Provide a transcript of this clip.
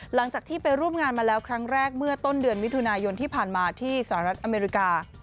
หลังจากที่ไปร่วมงานมาแล้วครั้งแรกเมื่อต้นเดือนมิถุนายนที่ผ่านมาที่สหรัฐอเมริกา